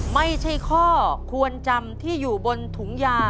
ไม่ใช่ข้อควรจำที่อยู่บนถุงยา